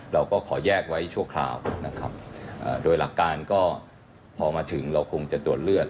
เราก็ขอแยกไว้ชั่วคราวนะครับโดยหลักการก็พอมาถึงเราคงจะตรวจเลือด